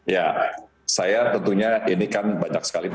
ya saya tentunya ini kan banyak sekali pak